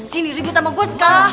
sini ribet sama gue sekarang